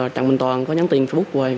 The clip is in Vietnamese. trần minh toàn có nhắn tin qua facebook của em